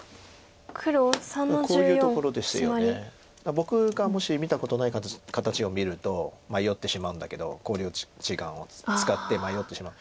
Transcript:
僕がもし見たことない形を見ると迷ってしまうんだけど考慮時間を使って迷ってしまう。